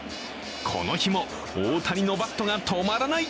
この日も大谷のバットが止まらない。